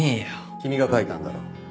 君が描いたんだろ？